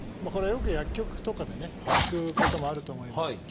これよく薬局とかでね聞くこともあると思います。